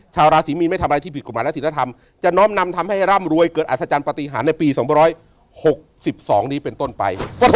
ชาวราศีมีนไม่ทำอะไรที่ผิดกฎหมายและศิลธรรมจะน้อมนำทำให้ร่ำรวยเกิดอัศจรรย์ปฏิหารในปี๒๖๒นี้เป็นต้นไป